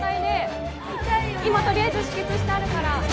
今とりあえず止血してあるから。